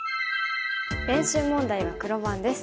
練習問題は黒番です。